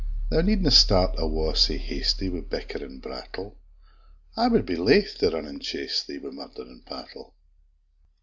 Thou need na start awa sae hasty, Wi' bickering brattle! I wad be laith to rin an' chase thee, Wi' murd'ring pattle!